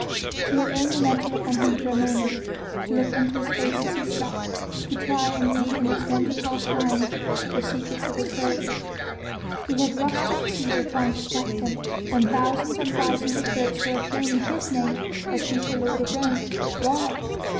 She had only meant to look on him for a moment, to look into his face as he slept, to try and read in its wonted harsh lines the secrets of his soul. He had rushed to the Cæsar trying to protect him, when thousands on thousands of throats were acclaiming his name as future lord of Rome. Why?